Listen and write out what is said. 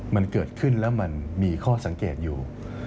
มันเกิดขึ้นแล้วมันมีข้อสังเกตอยู่